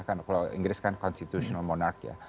kalau inggris kan constitutional monarch ya